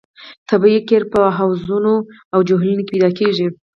طبیعي قیر په حوضونو او جهیلونو کې پیدا کیږي